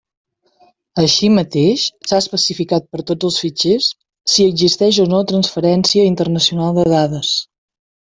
Així mateix, s'ha especificat per tots els fitxers, si existeix o no transferència internacional de dades.